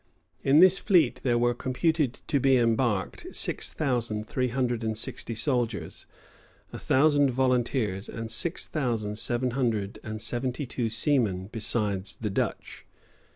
In this fleet there were computed to be embarked six thousand three hundred and sixty soldiers, a thousand volunteers, and six thousand seven hundred and seventy two seamen besides the Dutch.